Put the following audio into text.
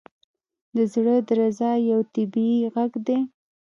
• د زړه درزا یو طبیعي ږغ دی.